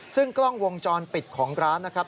ซึ่งกล้องวงจรปิดของร้านนะครับ